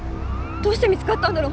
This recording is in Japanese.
どうして見つかったんだろう！？